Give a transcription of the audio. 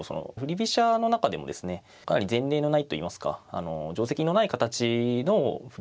飛車の中でもですねかなり前例のないといいますかあの定跡のない形の振り